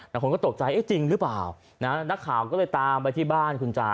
แต่คนก็ตกใจเอ๊ะจริงหรือเปล่านะนักข่าวก็เลยตามไปที่บ้านคุณจา